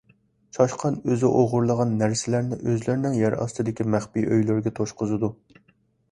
چاشقان ئۆزى ئوغرىلىغان نەرسىلەرنى ئۆزلىرىنىڭ يەر ئاستىدىكى مەخپىي ئۆيلىرىگە توشقۇزىدۇ.